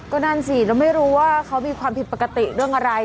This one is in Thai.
ก็นั่นสิเราไม่รู้ว่าเขามีความผิดปกติเรื่องอะไร